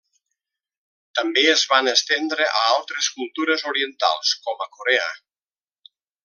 També es van estendre a altres cultures orientals, com a Corea.